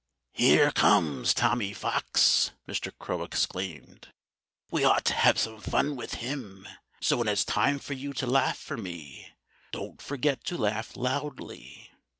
"Here comes Tommy Fox!" Mr. Crow exclaimed. "We ought to have some fun with him. So when it's time for you to laugh for me, don't forget to laugh loudly."